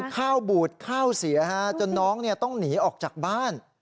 ข้าวบูดข้าวเสียจนน้องต้องหนีออกจากบ้าน